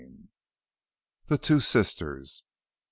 IX. THE TWO SISTERS.